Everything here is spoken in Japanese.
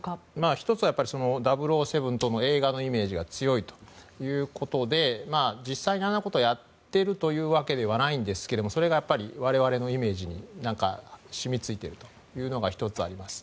１つは「００７」等の映画のイメージが強いということで実際にあんなことをやっているというわけではないんですがそれが我々のイメージの中に染みついてるのが１つあります。